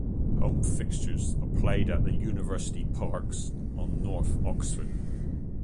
Home fixtures are played at the University Parks on north Oxford.